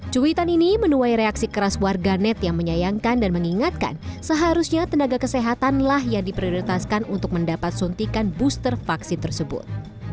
cuitan ini menuai reaksi keras warga net yang menyayangkan dan mengingatkan seharusnya tenaga kesehatanlah yang diprioritaskan untuk mendapat suntikan booster vaksin tersebut